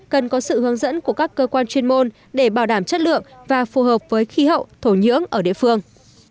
cần có sự hướng dẫn của các cơ quan chuyên môn để bảo đảm chất lượng và phù hợp với khí hậu thổ nhưỡng ở địa phương